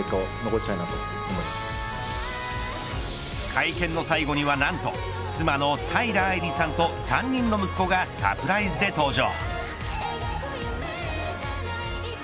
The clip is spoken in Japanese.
会見の最後には、何と妻の平愛梨さんと３人の息子がサプライズで登場。